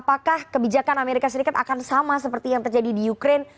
apakah kebijakan amerika serikat akan sama seperti yang terjadi di ukraine